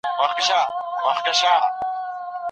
مشاورینو به رسمي غونډي سمبالولې.